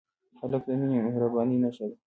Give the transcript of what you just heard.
هلک د مینې او مهربانۍ نښه ده.